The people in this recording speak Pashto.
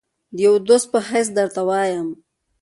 د یوه دوست په حیث درته وایم.